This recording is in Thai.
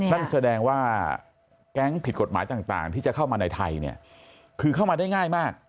นั่นแสดงว่าแก๊งผิดกฎหมายต่างที่จะเข้ามาในไทยเนี่ยคือเข้ามาได้ง่ายมาก